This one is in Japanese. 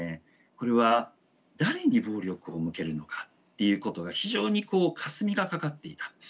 これは誰に暴力を向けるのかっていうことが非常にこうかすみがかかっていた。